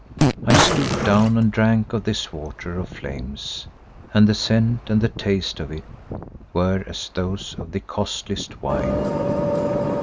I stooped down and drank of this water of flames and the scent and the taste of it were as those of the costliest wine.